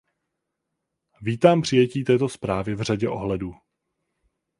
Vítám přijetí této zprávy v řadě ohledů.